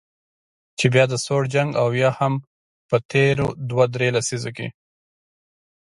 چې بیا د سوړ جنګ او یا هم په تیرو دوه درې لسیزو کې